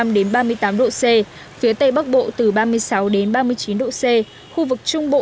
đến ba mươi tám độ c phía tây bắc bộ từ ba mươi sáu đến ba mươi chín độ c khu vực trung bộ